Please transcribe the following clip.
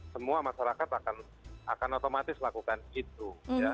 semua masyarakat akan otomatis lakukan itu